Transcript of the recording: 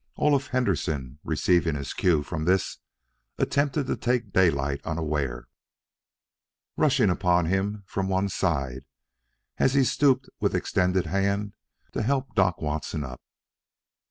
Olaf Henderson, receiving his cue from this, attempted to take Daylight unaware, rushing upon him from one side as he stooped with extended hand to help Doc Watson up.